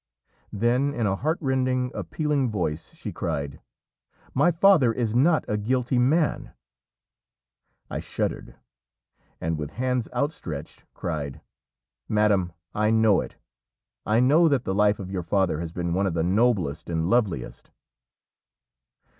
Then, in a heartrending appealing voice, she cried "My father is not a guilty man!" I shuddered, and with hands outstretched cried "Madam, I know it; I know that the life of your father has been one of the noblest and loveliest."